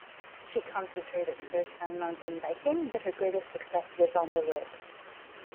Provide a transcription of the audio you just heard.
She concentrated first on mountain biking but her greatest success was on the road.